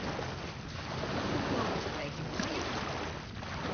Soe ik jo wat freegje meie?